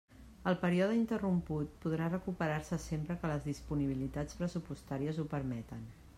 El període interromput podrà recuperar-se sempre que les disponibilitats pressupostàries ho permeten.